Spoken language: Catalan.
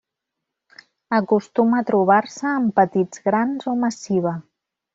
Acostuma a trobar-se en petits grans o massiva.